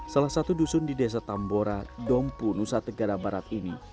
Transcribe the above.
salah satu dusun di desa tambora dompu nusa tenggara barat ini